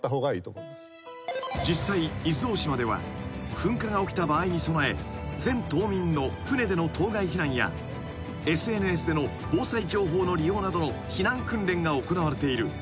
［実際伊豆大島では噴火が起きた場合に備え全島民の船での島外避難やＳＮＳでの防災情報の利用などの避難訓練が行われている］